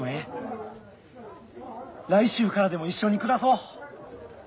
来週からでも一緒に暮らそう！